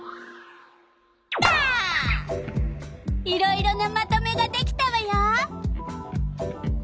いろいろなまとめができたわよ。